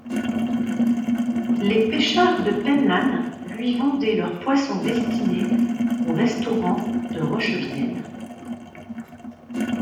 Les pêcheurs de Pen Lan lui vendaient leur poisson destiné au restaurant de Rochevilaine.